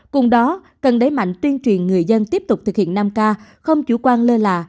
cùng đó cần đẩy mạnh tuyên truyền người dân tiếp tục thực hiện năm k không chủ quan lơ là